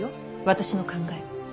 私の考え。